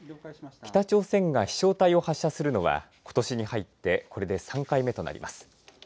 北朝鮮が飛しょう体を発射するのは、ことしに入ってこれで３回目となります。